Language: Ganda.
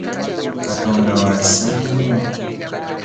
Katonda wa kisa nnyo.